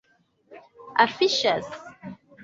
afiŝas